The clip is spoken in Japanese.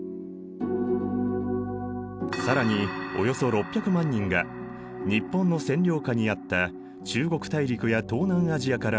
更におよそ６００万人が日本の占領下にあった中国大陸や東南アジアから帰国。